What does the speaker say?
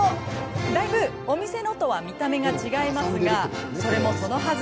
だいぶ、お店のとは見た目が違いますがそれもそのはず